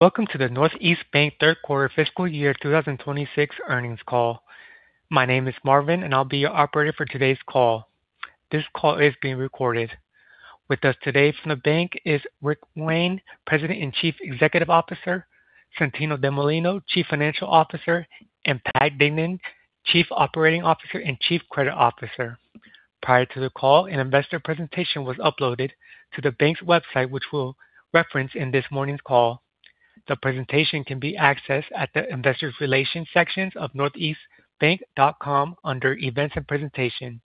Welcome to the Northeast Bank third quarter fiscal year 2026 earnings call. My name is Marvin, and I'll be your operator for today's call. This call is being recorded. With us today from the bank is Rick Wayne, President and Chief Executive Officer, Santino Delmolino, Chief Financial Officer, Patrick Dignan, Chief Operating Officer and Chief Credit Officer. Prior to the call, an investor presentation was uploaded to the bank's website, which we'll reference in this morning's call. The presentation can be accessed at the investor relations sections of northeastbank.com under Events and Presentation.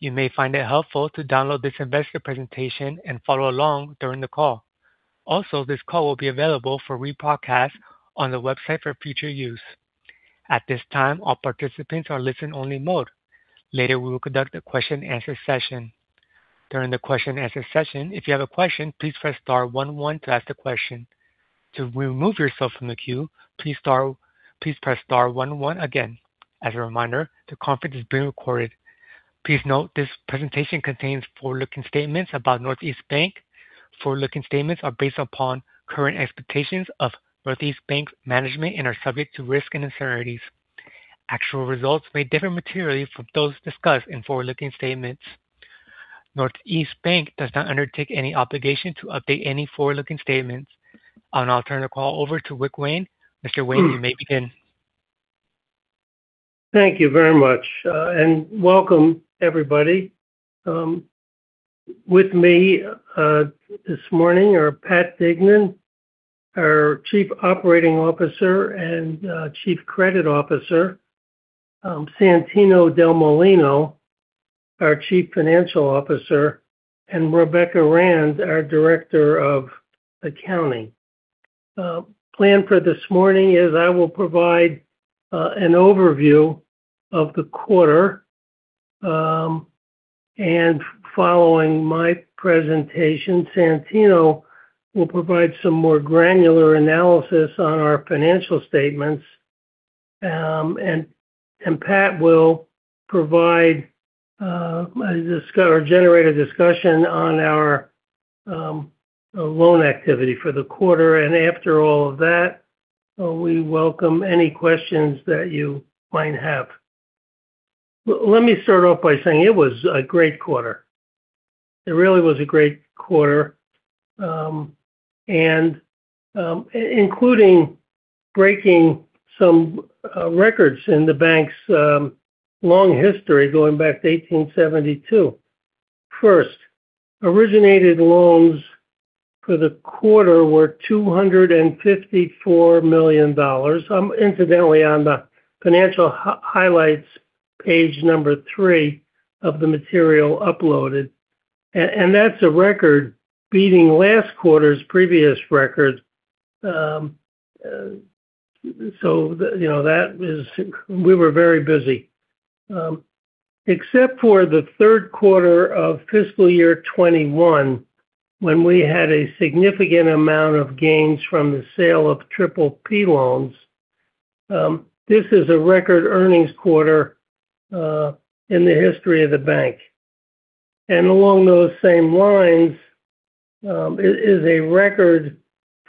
You may find it helpful to download this investor presentation and follow along during the call. Also, this call will be available for rebroadcast on the website for future use. At this time, all participants are listen-only mode. Later, we will conduct a question and answer session. During the question and answer session, if you have a question, please press star one one to ask the question. To remove yourself from the queue, please press star one one again. As a reminder, the conference is being recorded. Please note this presentation contains forward-looking statements about Northeast Bank. Forward-looking statements are based upon current expectations of Northeast Bank's management and are subject to risks and uncertainties. Actual results may differ materially from those discussed in forward-looking statements. Northeast Bank does not undertake any obligation to update any forward-looking statements. I'll now turn the call over to Rick Wayne. Mr. Wayne, you may begin. Thank you very much. Welcome, everybody. With me this morning are Pat Dignan, our Chief Operating Officer and Chief Credit Officer, Santino Delmolino, our Chief Financial Officer, and Rebecca Rand, our Director of Accounting. Plan for this morning is I will provide an overview of the quarter. Following my presentation, Santino Delmolino will provide some more granular analysis on our financial statements. Pat Dignan will provide discuss or generate a discussion on our loan activity for the quarter. After all of that, we welcome any questions that you might have. Let me start off by saying it was a great quarter. It really was a great quarter, and including breaking some records in the bank's long history, going back to 1872. Originated loans for the quarter were $254 million. Incidentally, on the financial highlights, page 3 of the material uploaded. That's a record beating last quarter's previous record. You know, we were very busy. Except for the third quarter of fiscal year 2021, when we had a significant amount of gains from the sale of PPP loans, this is a record earnings quarter in the history of the bank. Along those same lines, it is a record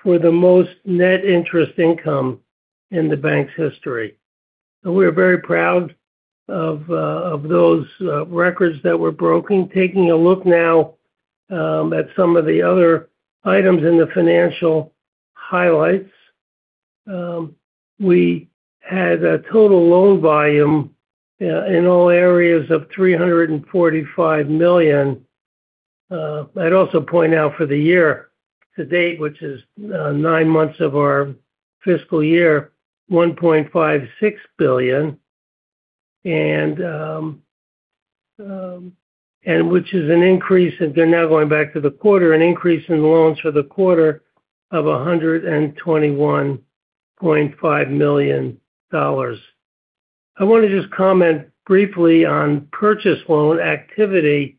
for the most net interest income in the bank's history. We're very proud of those records that were broken. Taking a look now at some of the other items in the financial highlights. We had a total loan volume in all areas of $345 million. I'd also point out for the year to date, which is nine months of our fiscal year, $1.56 billion. An increase in loans for the quarter of $121.5 million. I wanna just comment briefly on purchase loan activity,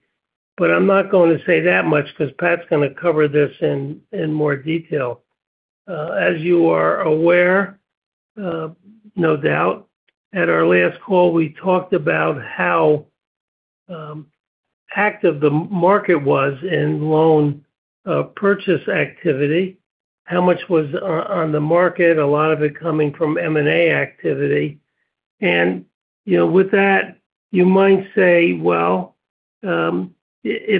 but I'm not gonna say that much 'cause Pat's gonna cover this in more detail. As you are aware, no doubt, at our last call, we talked about how active the market was in loan purchase activity, how much was on the market, a lot of it coming from M&A activity. You know, with that, you might say, "Well, if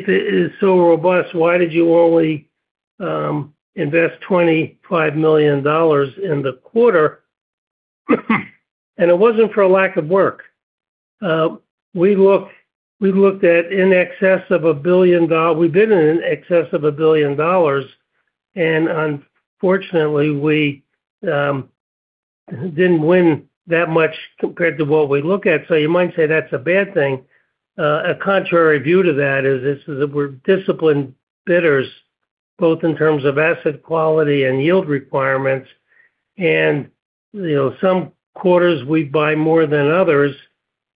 it is so robust, why did you only invest $25 million in the quarter?" It wasn't for a lack of work. We looked at in excess of $1 billion. We bid in excess of $1 billion, and unfortunately, we didn't win that much compared to what we look at. You might say that's a bad thing. A contrary view to that is that we're disciplined bidders, both in terms of asset quality and yield requirements. You know, some quarters we buy more than others,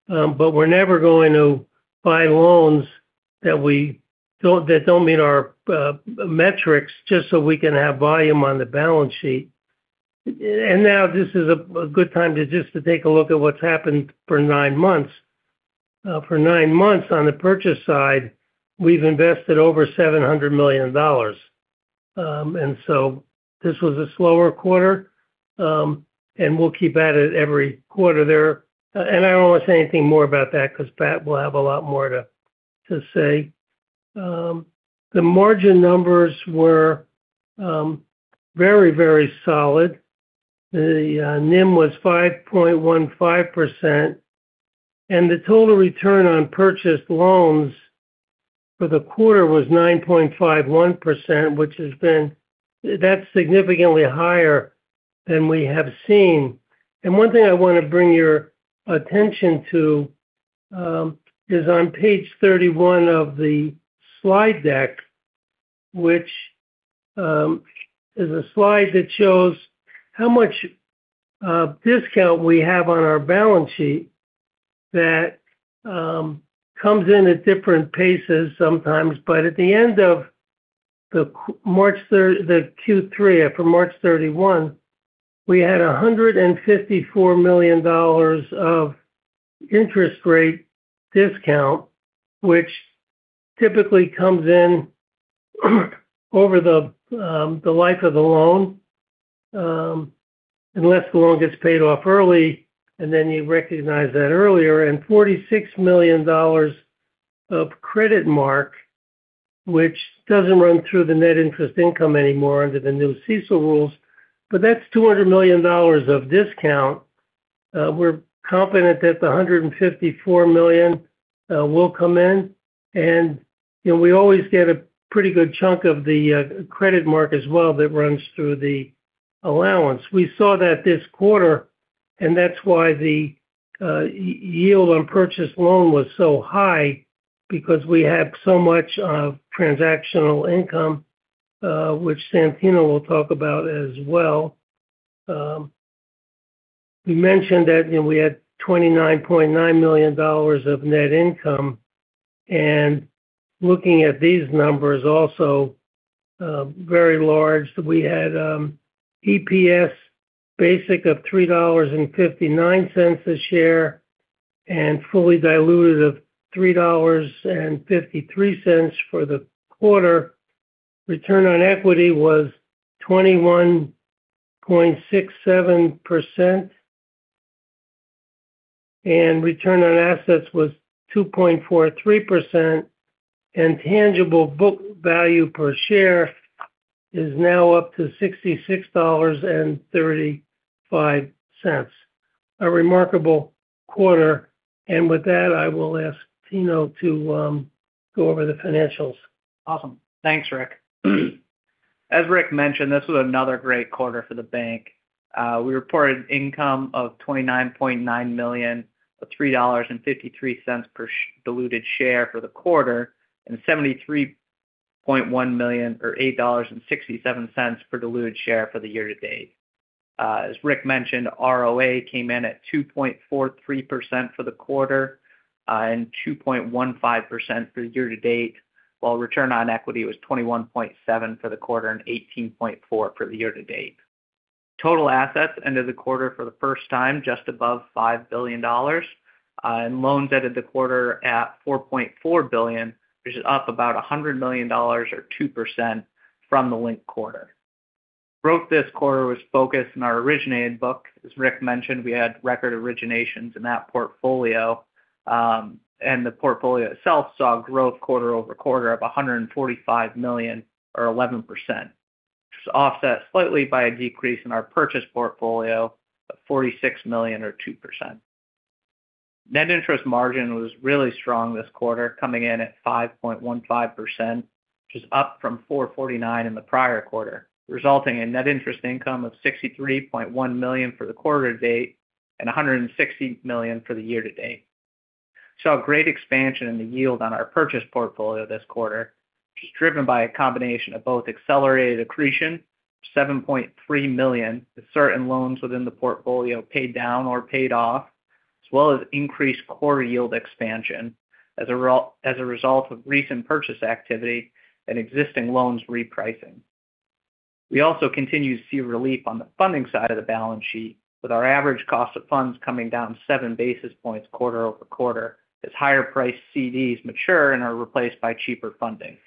but we're never going to buy loans that don't meet our metrics just so we can have volume on the balance sheet. Now this is a good time to just to take a look at what's happened for nine months. For nine months on the purchase side, we've invested over $700 million. This was a slower quarter, and we'll keep at it every quarter there. I don't want to say anything more about that because Pat will have a lot more to say. The margin numbers were very, very solid. The NIM was 5.15%. The total return on purchased loans for the quarter was 9.51%, that's significantly higher than we have seen. One thing I want to bring your attention to is on page 31 of the slide deck, which is a slide that shows how much discount we have on our balance sheet that comes in at different paces sometimes. At the end of the Q3, after March 31, we had $154 million of interest rate discount, which typically comes in over the life of the loan, unless the loan gets paid off early, and then you recognize that earlier. $46 million of credit mark, which doesn't run through the net interest income anymore under the new CECL rules, but that's $200 million of discount. We're confident that the $154 million will come in. You know, we always get a pretty good chunk of the credit mark as well that runs through the allowance. We saw that this quarter, and that's why the yield on purchased loan was so high because we have so much transactional income, which Santino will talk about as well. We mentioned that, you know, we had $29.9 million of net income. Looking at these numbers also, very large. We had EPS basic of $3.59 a share, and fully diluted of $3.53 for the quarter. Return on equity was 21.67%. Return on assets was 2.43%. Tangible book value per share is now up to $66.35. A remarkable quarter. With that, I will ask Tino to go over the financials. Thanks, Rick. As Rick mentioned, this was another great quarter for the bank. We reported income of $29.9 million, or $3.53 per diluted share for the quarter, and $73.1 million or $8.67 per diluted share for the year to date. As Rick mentioned, ROA came in at 2.43% for the quarter, and 2.15% for year to date, while return on equity was 21.7% for the quarter and 18.4% for the year to date. Total assets ended the quarter for the first time just above $5 billion. Loans ended the quarter at $4.4 billion, which is up about $100 million or 2% from the linked quarter. Growth this quarter was focused in our originated book. As Rick mentioned, we had record originations in that portfolio. The portfolio itself saw growth quarter-over-quarter of $145 million or 11%, which was offset slightly by a decrease in our purchase portfolio of $46 million or 2%. Net interest margin was really strong this quarter, coming in at 5.15%, which is up from 4.49% in the prior quarter, resulting in net interest income of $63.1 million for the quarter to date and $160 million for the year to date. Saw a great expansion in the yield on our purchase portfolio this quarter, which is driven by a combination of both accelerated accretion, $7.3 million, as certain loans within the portfolio paid down or paid off, as well as increased core yield expansion as a result of recent purchase activity and existing loans repricing. We also continue to see relief on the funding side of the balance sheet with our average cost of funds coming down 7 basis points quarter-over-quarter as higher priced CDs mature and are replaced by cheaper funding.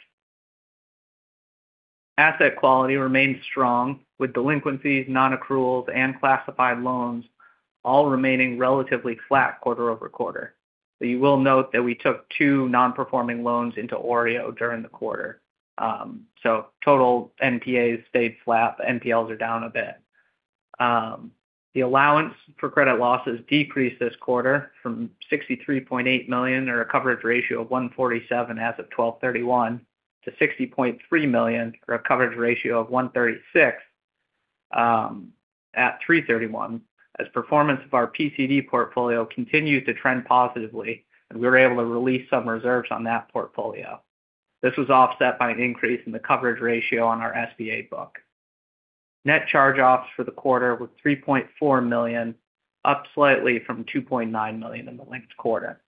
Asset quality remains strong with delinquencies, non-accruals, and classified loans all remaining relatively flat quarter-over-quarter. You will note that we took two non-performing loans into OREO during the quarter. Total NPAs stayed flat. NPLs are down a bit. The allowance for credit losses decreased this quarter from $63.8 million or a coverage ratio of 147 as of 12/31 to $60.3 million for a coverage ratio of 136 at 3/31 as performance of our PCD portfolio continued to trend positively, and we were able to release some reserves on that portfolio. This was offset by an increase in the coverage ratio on our SBA book. Net charge-offs for the quarter were $3.4 million, up slightly from $2.9 million in the linked quarter.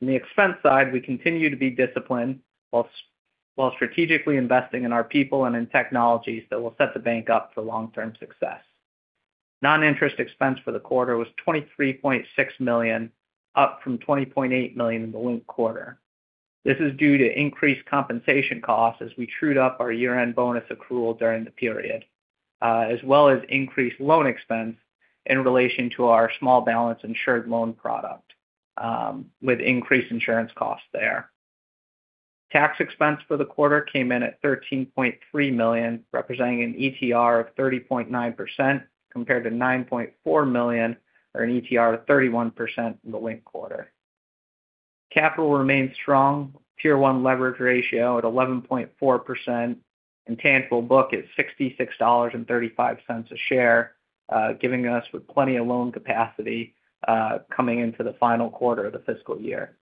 On the expense side, we continue to be disciplined while strategically investing in our people and in technologies that will set the bank up for long-term success. Non-interest expense for the quarter was $23.6 million, up from $20.8 million in the linked quarter. This is due to increased compensation costs as we trued up our year-end bonus accrual during the period, as well as increased loan expense in relation to our small balance insured loan product, with increased insurance costs there. Tax expense for the quarter came in at $13.3 million, representing an ETR of 30.9% compared to $9.4 million or an ETR of 31% in the linked quarter. Capital remains strong. Tier one leverage ratio at 11.4% and tangible book at $66.35 a share, giving us with plenty of loan capacity, coming into the final quarter of the fiscal year.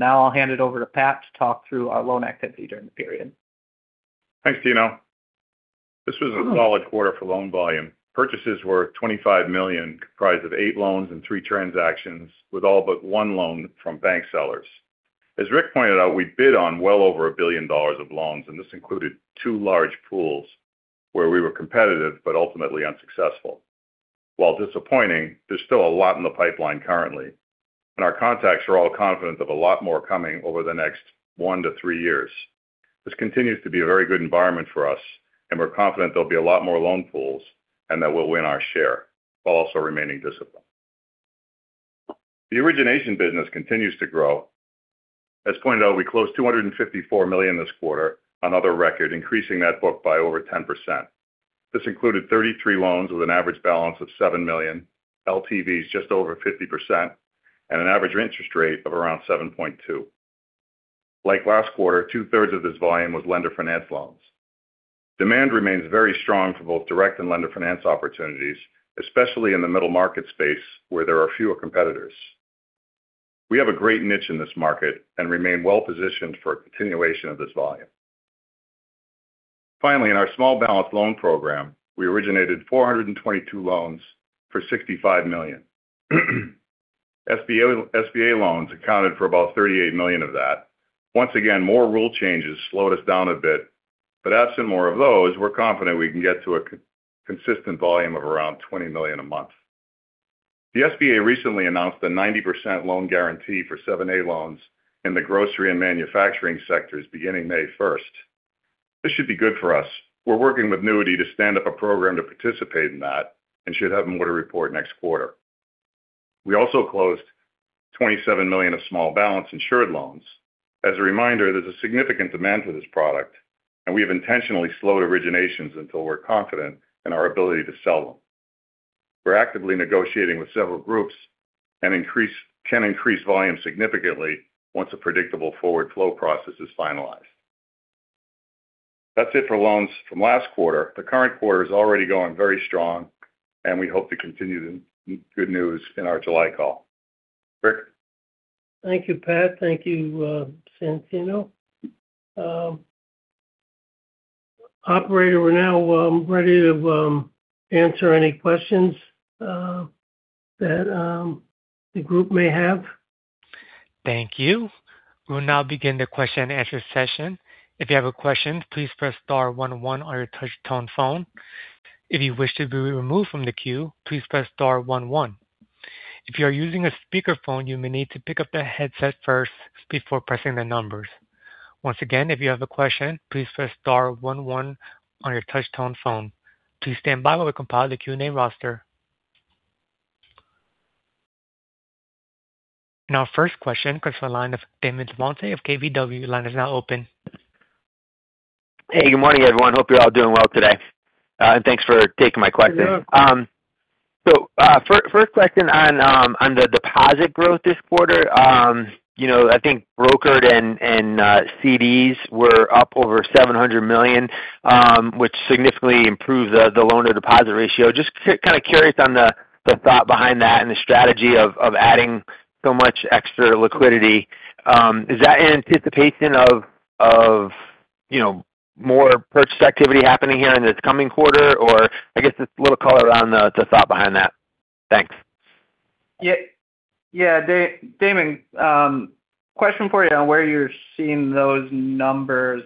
I'll hand it over to Pat to talk through our loan activity during the period. Thanks, Tino. This was a solid quarter for loan volume. Purchases were $25 million, comprised of 8 loans and three transactions, with all but one loan from bank sellers. As Rick pointed out, we bid on well over $1 billion of loans. This included two large pools where we were competitive but ultimately unsuccessful. While disappointing, there's still a lot in the pipeline currently. Our contacts are all confident of a lot more coming over the next one to three years. This continues to be a very good environment for us. We're confident there'll be a lot more loan pools and that we'll win our share while also remaining disciplined. The origination business continues to grow. As pointed out, we closed $254 million this quarter, another record increasing that book by over 10%. This included 33 loans with an average balance of $7 million, LTVs just over 50%, and an average interest rate of around 7.2. Like last quarter, two-thirds of this volume was lender finance loans. Demand remains very strong for both direct and lender finance opportunities, especially in the middle market space where there are fewer competitors. We have a great niche in this market and remain well positioned for a continuation of this volume. Finally, in our small balance loan program, we originated 422 loans for $65 million. SBA loans accounted for about $38 million of that. Once again, more rule changes slowed us down a bit, but absent more of those, we're confident we can get to a consistent volume of around $20 million a month. The SBA recently announced a 90% loan guarantee for 7(a) loans in the grocery and manufacturing sectors beginning May 1st. This should be good for us. We're working with NEWITY to stand up a program to participate in that and should have more to report next quarter. We also closed $27 million of small balance insured loans. As a reminder, there's a significant demand for this product, and we have intentionally slowed originations until we're confident in our ability to sell them. We're actively negotiating with several groups and can increase volume significantly once a predictable forward flow process is finalized. That's it for loans from last quarter. The current quarter is already going very strong, and we hope to continue the good news in our July call. Rick? Thank you, Pat. Thank you, Santino. Operator, we're now ready to answer any questions that the group may have. Our first question comes from the line of Damon DelMonte of KBW. Line is now open. Hey, good morning, everyone. Hope you're all doing well today. Thanks for taking my question. Yeah. First question on the deposit growth this quarter. You know, I think brokered and CDs were up over $700 million, which significantly improved the loan to deposit ratio. Just kinda curious on the thought behind that and the strategy of adding so much extra liquidity. Is that in anticipation of, you know, more purchase activity happening here in this coming quarter, or I guess just a little color on the thought behind that? Thanks. Yeah. Yeah. Damon, question for you on where you're seeing those numbers.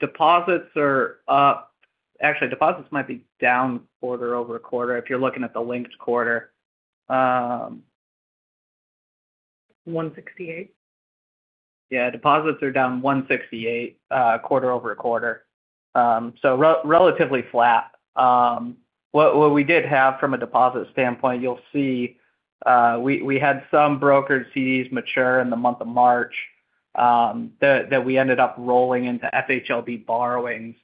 Deposits are up. Actually, deposits might be down quarter-over-quarter if you're looking at the linked quarter. 168. Yeah, deposits are down $168 quarter-over-quarter. Relatively flat. What we did have from a deposit standpoint, you'll see, we had some brokered CDs mature in the month of March that we ended up rolling into FHLB borrowings,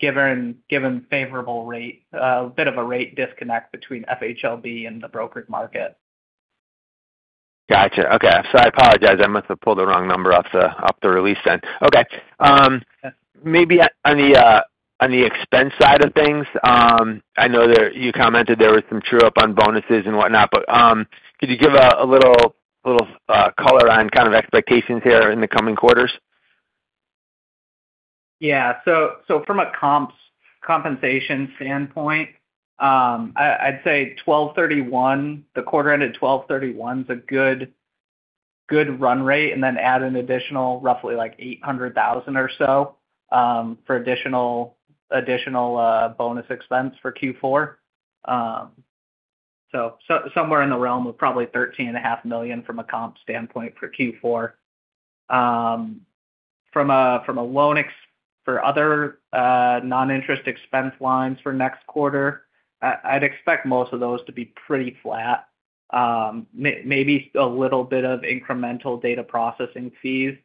given favorable rate, a bit of a rate disconnect between FHLB and the brokered market. Gotcha. Okay. I apologize. I must have pulled the wrong number off the release then. Okay. Maybe on the expense side of things, I know that you commented there was some true up on bonuses and whatnot, could you give a little color on kind of expectations here in the coming quarters? From a compensation standpoint, I'd say 12/31, the quarter ended 12/31, is a good run rate, and then add an additional roughly like $800,000 or so for additional bonus expense for Q4. Somewhere in the realm of probably $13.5 million from a comp standpoint for Q4. From other non-interest expense lines for next quarter, I'd expect most of those to be pretty flat. Maybe a little bit of incremental data processing fees,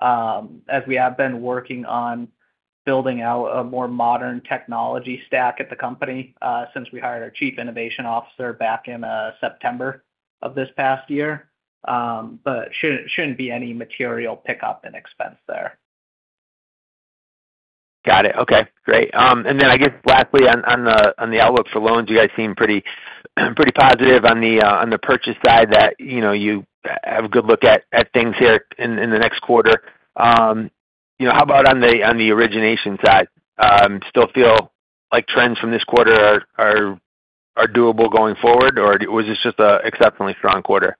as we have been working on building out a more modern technology stack at the company, since we hired our Chief Innovation Officer back in September of this past year. Shouldn't be any material pickup in expense there. Got it. Okay, great. Then I guess lastly on the outlook for loans, you guys seem pretty positive on the purchase side that, you know, you have a good look at things here in the next quarter. You know, how about on the origination side? Still feel like trends from this quarter are doable going forward, or was this just a exceptionally strong quarter?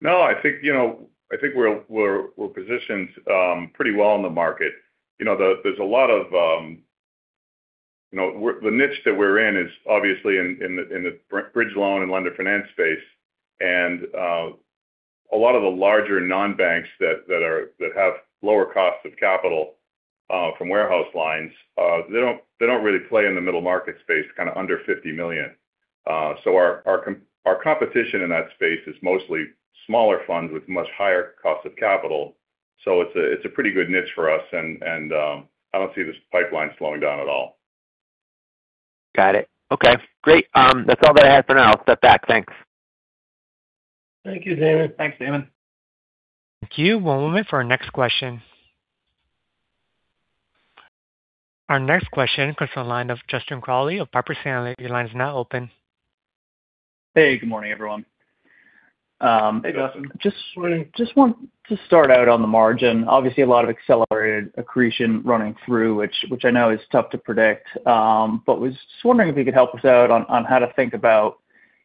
No, I think, you know, I think we're positioned pretty well in the market. You know, the niche that we're in is obviously in the bridge loan and lender finance space. A lot of the larger non-banks that have lower cost of capital from warehouse lines, they don't really play in the middle market space, kind of under $50 million. Our competition in that space is mostly smaller funds with much higher cost of capital. It's a pretty good niche for us and I don't see this pipeline slowing down at all. Got it. Okay, great. That's all that I have for now. I'll step back. Thanks. Thank you, Damon. Thanks, Damon. Thank you. One moment for our next question. Our next question comes to the line of Justin Crowley of Piper Sandler. Your line is now open. Hey, good morning, everyone. Hey, Justin. Just want to start out on the margin. Obviously, a lot of accelerated accretion running through, which I know is tough to predict. Was just wondering if you could help us out on how to think about,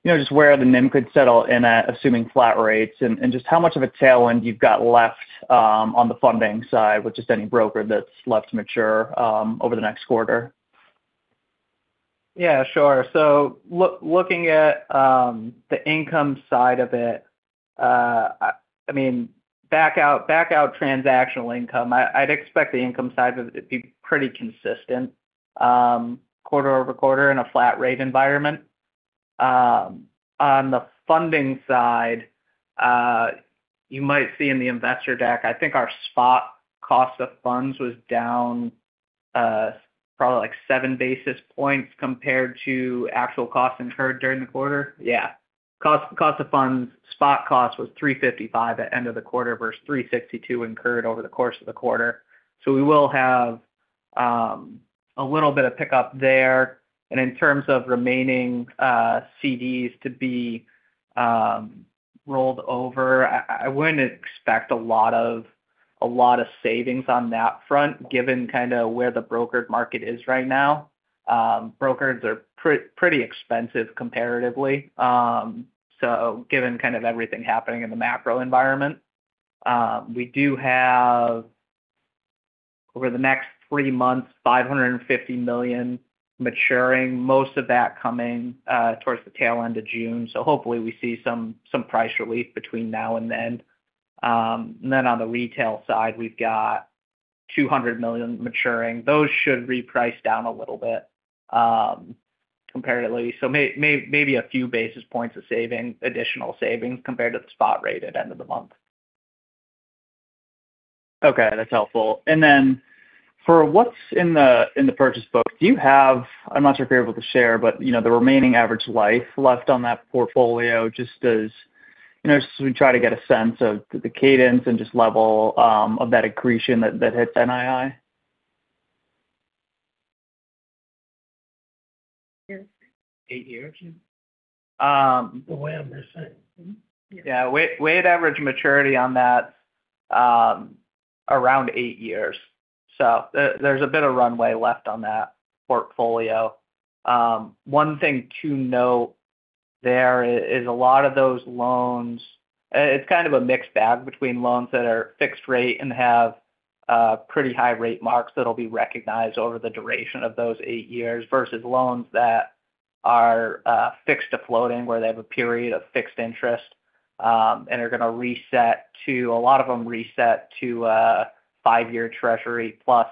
you know, just where the NIM could settle in at assuming flat rates and just how much of a tailwind you've got left on the funding side with just any broker that's left to mature over the next quarter. Yeah, sure. looking at, I mean, back out transactional income, I'd expect the income side of it to be pretty consistent, quarter-over-quarter in a flat rate environment. On the funding side, you might see in the investor deck, I think our spot cost of funds was down, probably like 7 basis points compared to actual costs incurred during the quarter. Yeah. Cost of funds, spot cost was 3.55 at end of the quarter versus 3.62 incurred over the course of the quarter. We will have a little bit of pickup there. In terms of remaining CDs to be rolled over, I wouldn't expect a lot of savings on that front, given kind of where the brokered market is right now. Brokers are pretty expensive comparatively, given kind of everything happening in the macro environment. We do have, over the next three months, $550 million maturing, most of that coming towards the tail end of June. Hopefully we see some price relief between now and then. On the retail side, we've got $200 million maturing. Those should reprice down a little bit, comparatively. Maybe a few basis points of saving, additional savings compared to the spot rate at end of the month. Okay. That's helpful. Then for what's in the purchase book, do you have, I'm not sure if you're able to share, you know, the remaining average life left on that portfolio, just as, you know, so we try to get a sense of the cadence and just level of that accretion that hits NII. Eight years. 8 years. Um- The WAM, you're saying? Yeah. WAM average maturity on that, around eight years. There's a bit of runway left on that portfolio. One thing to note there is a lot of those loans, it's kind of a mixed bag between loans that are fixed rate and have pretty high rate marks that'll be recognized over the duration of those eight years versus loans that are fixed to floating, where they have a period of fixed interest, and they're gonna reset to a lot of them reset to a five-year treasury plus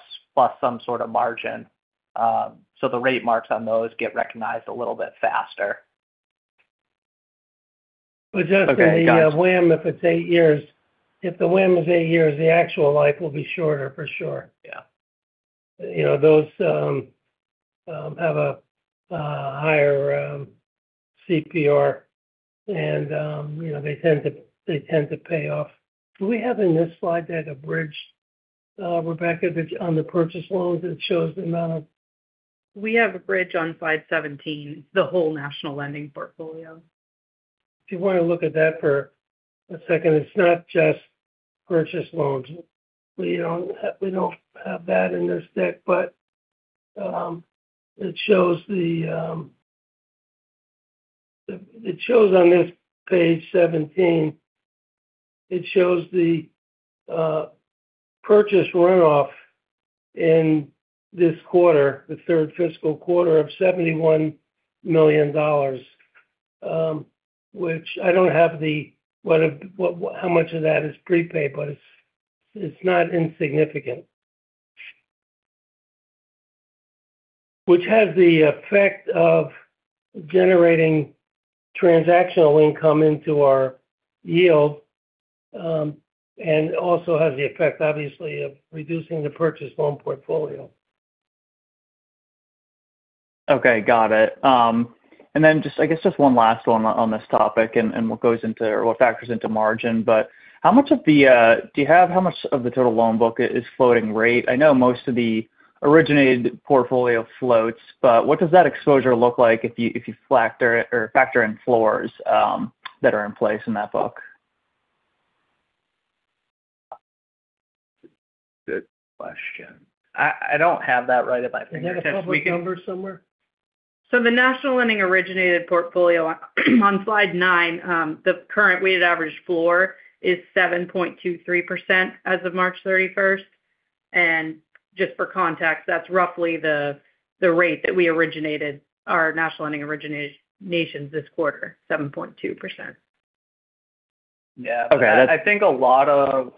some sort of margin. The rate marks on those get recognized a little bit faster. Okay. Gotcha. Just on the WAM, if it's eight years, if the WAM is eight years, the actual life will be shorter for sure. Yeah. You know, those have a higher CPR and, you know, they tend to pay off. Do we have in this slide deck a bridge, Rebecca, that's on the purchase loans that shows the amount of? We have a bridge on slide 17, the whole national lending portfolio. If you want to look at that for a second, it's not just purchase loans. We don't have that in this deck, but it shows the, it shows on this page 17, it shows the purchase runoff in this quarter, the third fiscal quarter of $71 million. Which I don't have how much of that is prepaid, but it's not insignificant. Which has the effect of generating transactional income into our yield, and also has the effect, obviously, of reducing the purchase loan portfolio. Okay. Got it. Then just, I guess, just one last one on this topic and what goes into or what factors into margin. Do you have how much of the total loan book is floating rate? I know most of the originated portfolio floats, but what does that exposure look like if you, if you factor in floors that are in place in that book? Good question. I don't have that right at my fingertips. Is that a public number somewhere? The national lending originated portfolio on slide 9, the current weighted average floor is 7.23% as of March 31st. Just for context, that's roughly the rate that we originated our national lending originations this quarter, 7.2%. Yeah. Okay.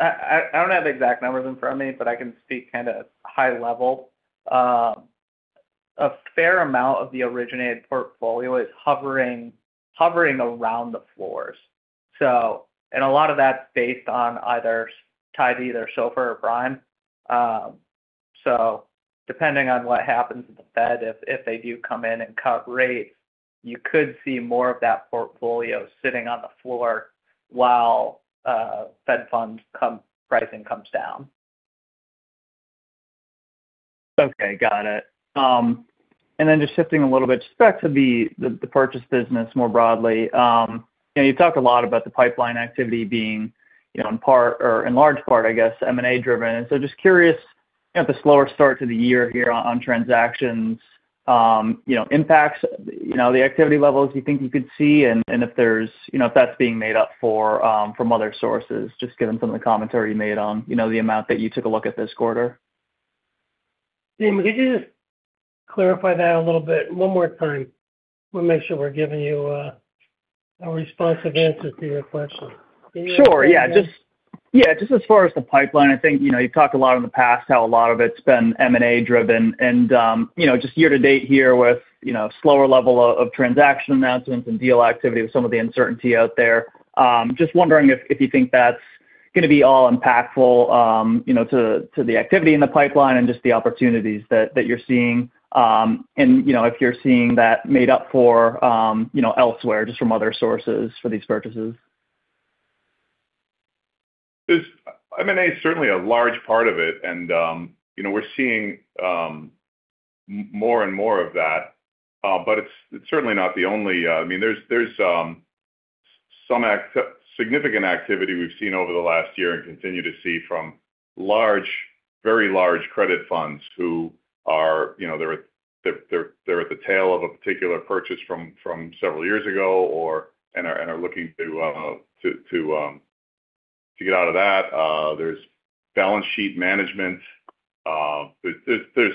I don't have exact numbers in front of me, but I can speak kind of high level. A fair amount of the originated portfolio is hovering around the floors. A lot of that's based on either tied to either SOFR or Prime. Depending on what happens with the Fed, if they do come in and cut rates, you could see more of that portfolio sitting on the floor while Fed funds pricing comes down. Okay. Got it. Just shifting a little bit just back to the, the purchase business more broadly. You know, you've talked a lot about the pipeline activity being, you know, in part or in large part, I guess, M&A driven. Just curious at the slower start to the year here on transactions, you know, impacts, you know, the activity levels you think you could see and if there's, you know, if that's being made up for, from other sources. Just given some of the commentary you made on, you know, the amount that you took a look at this quarter. Justin, could you just clarify that a little bit one more time? We'll make sure we're giving you a responsive answer to your question. Can you explain that? Sure. Just as far as the pipeline, I think, you know, you've talked a lot in the past how a lot of it's been M&A driven and, you know, just year to date here with, you know, slower level of transaction announcements and deal activity with some of the uncertainty out there. Just wondering if you think that's gonna be all impactful, you know, to the activity in the pipeline and just the opportunities that you're seeing. You know, if you're seeing that made up for, you know, elsewhere, just from other sources for these purchases. M&A is certainly a large part of it and, you know, we're seeing more and more of that. But it's certainly not the only. I mean, there's significant activity we've seen over the last year and continue to see from large, very large credit funds who are, you know, they're at the tail of a particular purchase from several years ago and are looking to get out of that. There's balance sheet management. There's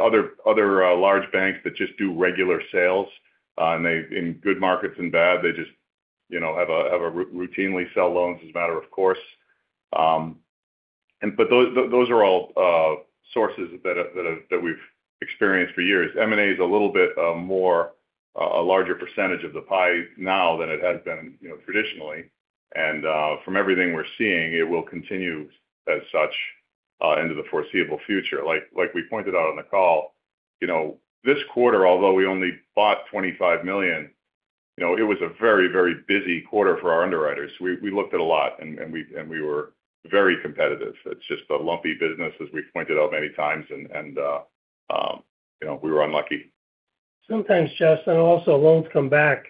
other large banks that just do regular sales. In good markets and bad, they just, you know, have a routinely sell loans as a matter of course. But those are all sources that we've experienced for years. M&A is a little bit more a larger percentage of the pie now than it has been, you know, traditionally. From everything we're seeing, it will continue as such into the foreseeable future. Like we pointed out on the call, you know, this quarter, although we only bought $25 million, you know, it was a very, very busy quarter for our underwriters. We looked at a lot and we were very competitive. It's just a lumpy business, as we pointed out many times. You know, we were unlucky. Sometimes, Justin, also loans come back.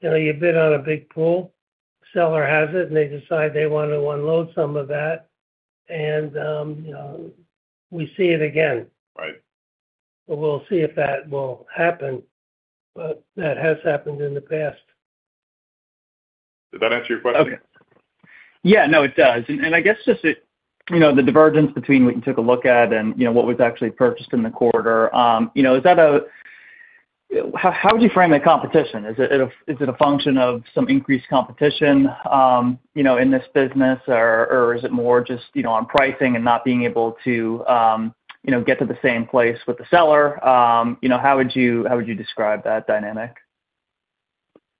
You know, you bid on a big pool, seller has it, and they decide they want to unload some of that. You know, we see it again. Right. We'll see if that will happen. That has happened in the past. Did that answer your question? Okay. Yeah. No, it does. I guess just, you know, the divergence between what you took a look at and, you know, what was actually purchased in the quarter. You know, how would you frame the competition? Is it a, is it a function of some increased competition, you know, in this business? Is it more just, you know, on pricing and not being able to, you know, get to the same place with the seller? You know, how would you, how would you describe that dynamic?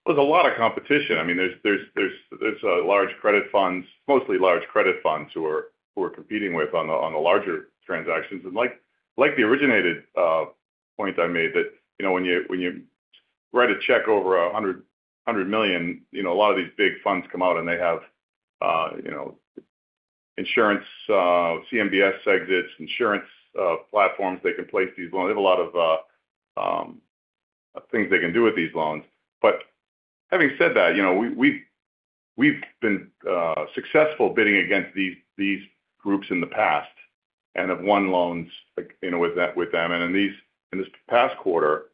There's a lot of competition. I mean, there's large credit funds, mostly large credit funds who we're competing with on the larger transactions. Like the originated point I made that, you know, when you write a check over $100 million, you know, a lot of these big funds come out, and they have Insurance, CMBS exits, insurance platforms, they can place these loans. They have a lot of things they can do with these loans. Having said that, you know, we've been successful bidding against these groups in the past and have won loans like, you know, with them. In this past quarter,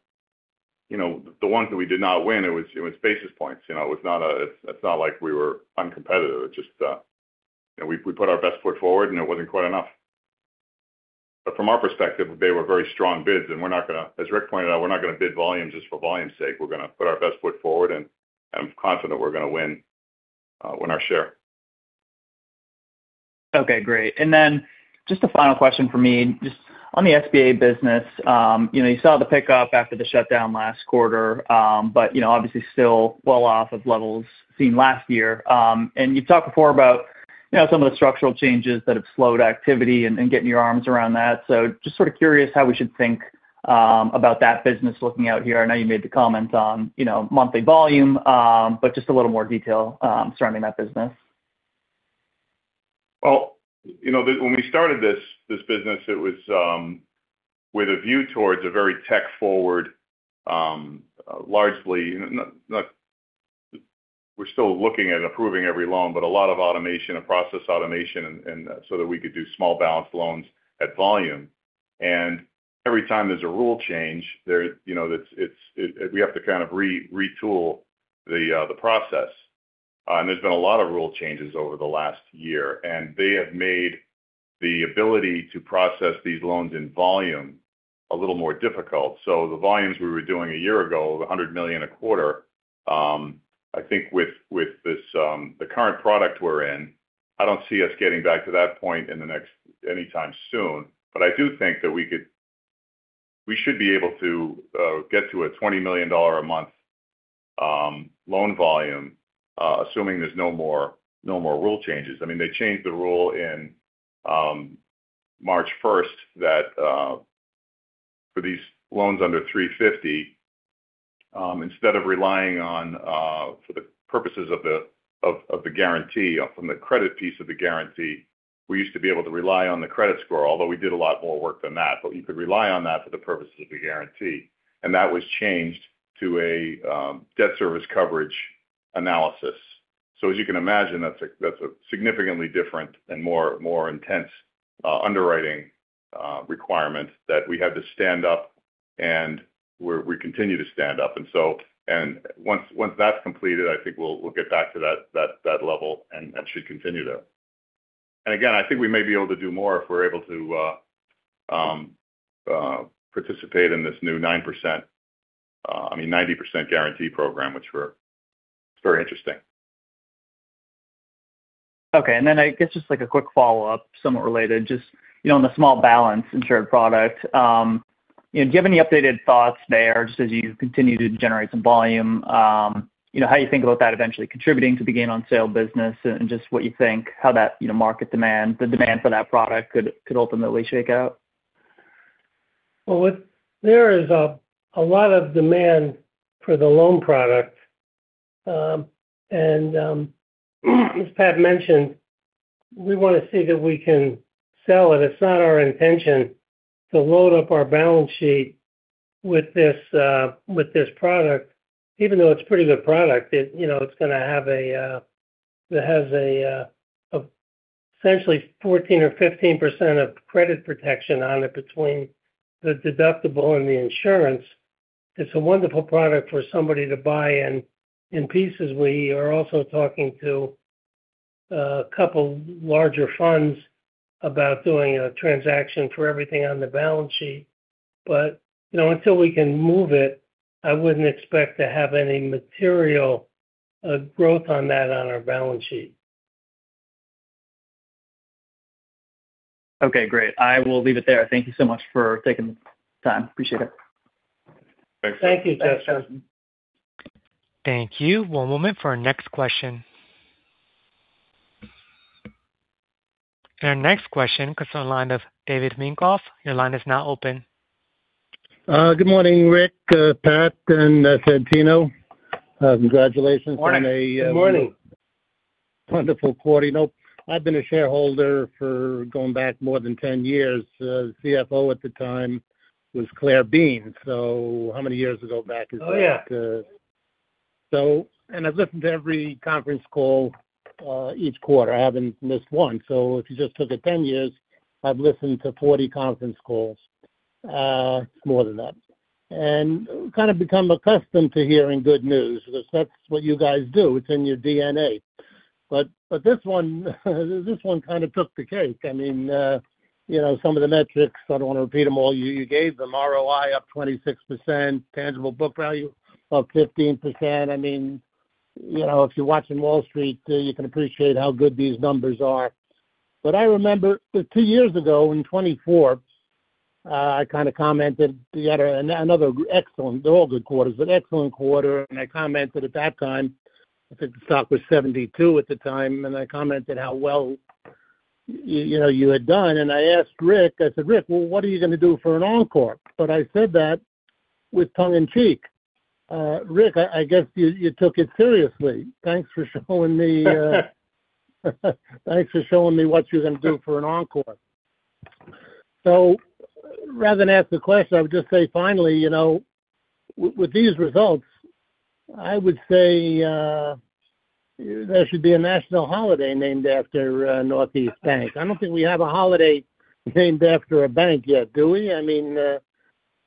you know, the ones that we did not win, it was basis points. You know. It's not like we were uncompetitive. It's just, you know, we put our best foot forward, and it wasn't quite enough. From our perspective, they were very strong bids, and we're not gonna, as Rick pointed out, we're not gonna bid volume just for volume's sake. We're gonna put our best foot forward, and I'm confident we're gonna win our share. Okay. Great. Then just a final question from me. Just on the SBA business, you know, you saw the pickup after the shutdown last quarter, but, you know, obviously still well off of levels seen last year. You've talked before about, you know, some of the structural changes that have slowed activity and getting your arms around that. Just sort of curious how we should think about that business looking out here. I know you made the comment on, you know, monthly volume, but just a little more detail surrounding that business. Well, you know, when we started this business, it was with a view towards a very tech-forward, largely not. We're still looking at approving every loan, but a lot of automation and process automation so that we could do small balance loans at volume. Every time there's a rule change, there, you know, we have to kind of retool the process. There's been a lot of rule changes over the last year. They have made the ability to process these loans in volume a little more difficult. The volumes we were doing a year ago of $100 million a quarter, I think with this, the current product we're in, I don't see us getting back to that point anytime soon. I do think that we should be able to get to a $20 million a month loan volume, assuming there's no more rule changes. I mean, they changed the rule in March 1st that for these loans under 350, instead of relying on for the purposes of the guarantee from the credit piece of the guarantee, we used to be able to rely on the credit score, although we did a lot more work than that. We could rely on that for the purposes of the guarantee. That was changed to a debt service coverage analysis. As you can imagine, that's a significantly different and more intense underwriting requirement that we have to stand up and we continue to stand up. Once that's completed, I think we'll get back to that level and should continue to. Again, I think we may be able to do more if we're able to participate in this new 9%, I mean, 90% guarantee program. It's very interesting. Okay. I guess just like a quick follow-up, somewhat related. Just, you know, on the small balance insured product, you know, do you have any updated thoughts there just as you continue to generate some volume? You know, how you think about that eventually contributing to the gain on sale business and just what you think, how that, you know, market demand, the demand for that product could ultimately shake out? Well, there is a lot of demand for the loan product. As Pat mentioned, we wanna see that we can sell it. It's not our intention to load up our balance sheet with this with this product. Even though it's pretty good product, it, you know, it has essentially 14% or 15% of credit protection on it between the deductible and the insurance. It's a wonderful product for somebody to buy in pieces. We are also talking to a couple larger funds about doing a transaction for everything on the balance sheet. You know, until we can move it, I wouldn't expect to have any material growth on that on our balance sheet. Okay, great. I will leave it there. Thank you so much for taking the time. Appreciate it. Thanks. Thank you, Justin. Thank you. One moment for our next question. Our next question comes from the line of David Minkoff. Your line is now open. Good morning, Rick, Pat, and Santino. Congratulations. Morning. Good morning. -on a wonderful quarter. You know, I've been a shareholder for going back more than 10 years. The CFO at the time was Claire Bean. How many years ago back is that? Oh, yeah. I've listened to every conference call each quarter. I haven't missed one. If you just took it 10 years, I've listened to 40 conference calls. It's more than that. Kind of become accustomed to hearing good news because that's what you guys do. It's in your DNA. This one kind of took the cake. I mean, you know, some of the metrics, I don't want to repeat them all. You gave them. ROE up 26%, tangible book value up 15%. I mean, you know, if you're watching Wall Street, you can appreciate how good these numbers are. I remember 2 years ago in 2024, I kind of commented another excellent, they're all good quarters, but excellent quarter. I commented at that time, I think the stock was $72 at the time, and I commented how well you know, you had done. I asked Rick, I said, "Rick, well, what are you gonna do for an encore?" I said that with tongue in cheek. Rick, I guess you took it seriously. Thanks for showing me what you're gonna do for an encore. Rather than ask a question, I would just say finally, you know, with these results I would say, there should be a national holiday named after Northeast Bank. I don't think we have a holiday named after a bank yet, do we? I mean,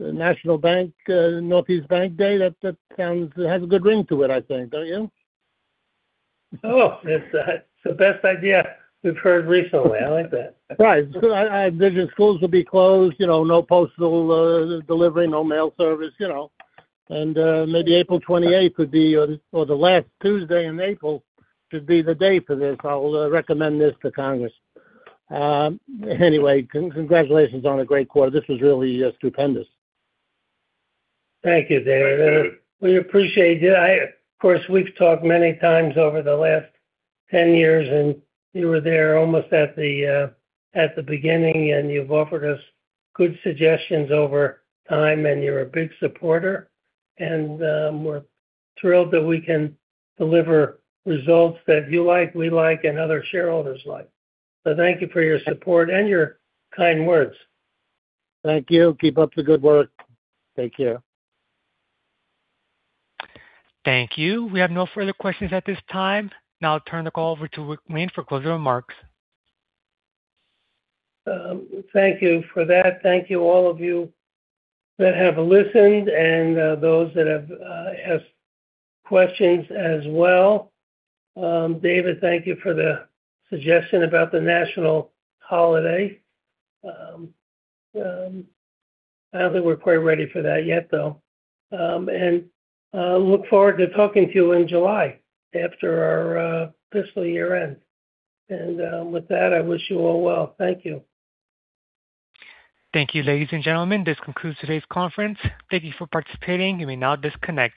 National Bank, Northeast Bank Day, that sounds. It has a good ring to it I think, don't you? Oh, it's the best idea we've heard recently. I like that. Right. I vision schools would be closed, you know, no postal delivery, no mail service, you know. Maybe April 28th would be or the last Tuesday in April should be the day for this. I'll recommend this to Congress. Anyway, congratulations on a great quarter. This was really stupendous. Thank you, David. We appreciate you. Of course, we've talked many times over the last 10 years, you were there almost at the beginning, you've offered us good suggestions over time, you're a big supporter. We're thrilled that we can deliver results that you like, we like, and other shareholders like. Thank you for your support and your kind words. Thank you. Keep up the good work. Take care. Thank you. We have no further questions at this time. Now I'll turn the call over to Rick Wayne for closing remarks. Thank you for that. Thank you all of you that have listened and those that have asked questions as well. David, thank you for the suggestion about the national holiday. I don't think we're quite ready for that yet though. I look forward to talking to you in July after our fiscal year end. With that, I wish you all well. Thank you. Thank you, ladies and gentlemen. This concludes today's conference. Thank you for participating. You may now disconnect.